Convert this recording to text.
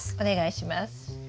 お願いします。